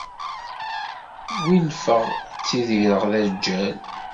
Wilfeɣ ttidireɣ d aǧǧal.